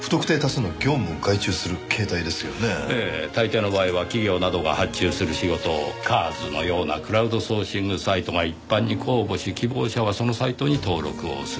大抵の場合は企業などが発注する仕事をＣＡＲＳのようなクラウドソーシングサイトが一般に公募し希望者はそのサイトに登録をする。